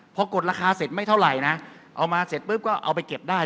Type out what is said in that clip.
พอกดราคาเสร็จไม่เท่าไหร่นะเอามาเสร็จปุ๊บก็เอาไปเก็บได้